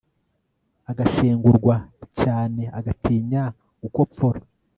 agashengurwa cyaneagatinya gukopfora